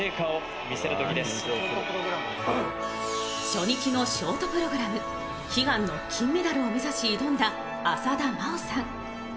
初日のショートプログラム悲願の金メダルを目指し挑んだ浅田真央さん。